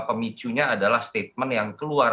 pemicunya adalah statement yang keluar